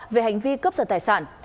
về hành vi cướp sở tài sản